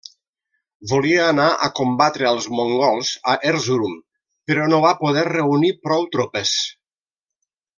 Volia anar a combatre als mongols a Erzurum però no va poder reunir prou tropes.